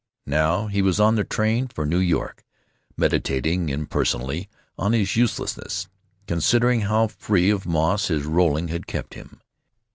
Now he was on the train for New York, meditating impersonally on his uselessness, considering how free of moss his rolling had kept him.